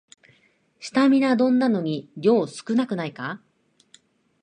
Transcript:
スタミナ丼なのに量少なくないか